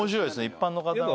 一般の方の。